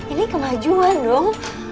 ini kemajuan dong